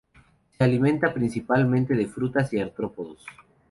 Se alimenta principalmente de frutas y artrópodos.